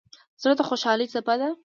زړه د خوشحالۍ څپه ده.